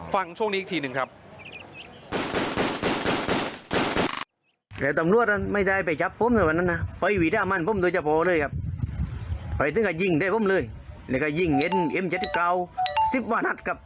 ฟังช่วงนี้อีกทีหนึ่งครับ